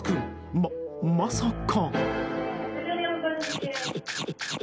ま、まさか。